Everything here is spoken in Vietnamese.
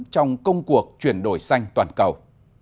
trong công cuộc chuyển đổi xanh toàn cầu